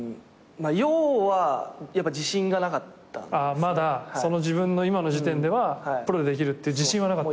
まだその自分の今の時点ではプロでできる自信はなかった。